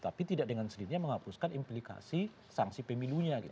tapi tidak dengan sendirinya menghapuskan implikasi sanksi pemilunya